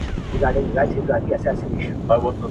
جوړ له انګورو څه پیاله ستایمه.